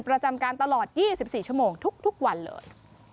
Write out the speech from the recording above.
ประจำการตลอด๒๔ชั่วโมงทุกวันเลย